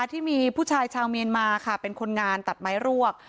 ที่มีผู้ชายชาวเมียนมาค่ะเป็นคนงานตัดไม้รวก